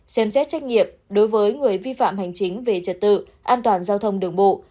xem xét trách nhiệm đối với người vi phạm hành chính về trật tự an toàn giao thông đường bộ